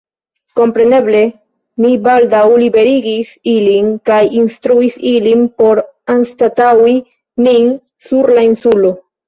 Kompreneble, mi baldaŭ liberigis ilin, kaj instruis ilin por anstataŭi min sur la insulo.